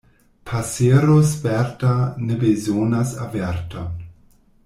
Pasero sperta ne bezonas averton.